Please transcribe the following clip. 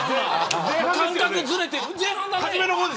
感覚ずれてる。